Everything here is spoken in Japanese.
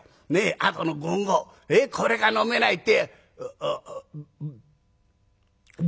あとの５合これが飲めないって」。